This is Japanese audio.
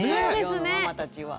世のママたちは。